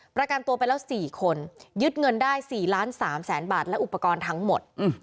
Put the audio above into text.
ประกันตัวไปแล้ว๔คนยึดเงินได้๔ล้าน๓แสนบาทและอุปกรณ์ทั้งหมด